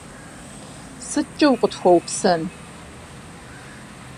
Сыткӏэ укъытхуэупсэн?